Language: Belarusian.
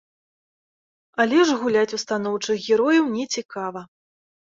Але ж гуляць у станоўчых герояў нецікава.